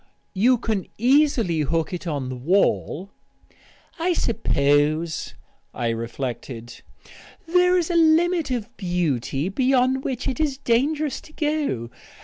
"You can easily hook it to the wall " "I suppose," I reflected, "there is a limit of beauty beyond which it is dangerous to go.